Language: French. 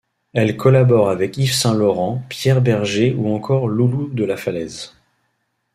Elle collabore avec Yves Saint Laurent, Pierre Bergé ou encore Loulou de la Falaise.